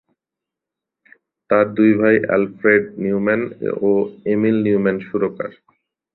তার দুই ভাই অ্যালফ্রেড নিউম্যান ও এমিল নিউম্যান সুরকার।